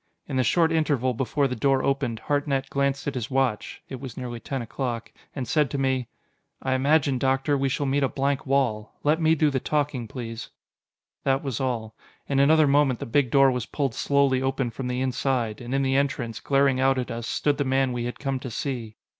In the short interval before the door opened, Hartnett glanced at his watch (it was nearly ten o'clock), and said to me: "I imagine, Doctor, we shall meet a blank wall. Let me do the talking, please." That was all. In another moment the big door was pulled slowly open from the inside, and in the entrance, glaring out at us, stood the man we had come to see.